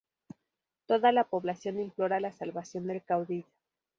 Toda la población implora la salvación del caudillo.